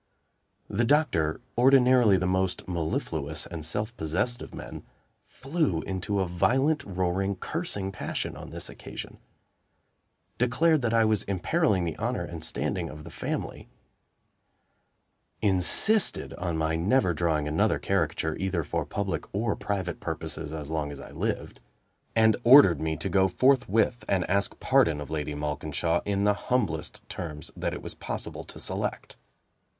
The doctor, ordinarily the most mellifluous and self possessed of men, flew into a violent, roaring, cursing passion, on this occasion declared that I was imperiling the honor and standing of the family insisted on my never drawing another caricature, either for public or private purposes, as long as I lived; and ordered me to go forthwith and ask pardon of Lady Malkinshaw in the humblest terms that it was possible to select.